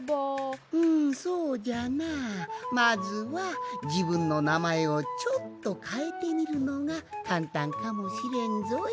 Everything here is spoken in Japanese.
うんそうじゃなまずはじぶんのなまえをちょっとかえてみるのがかんたんかもしれんぞい。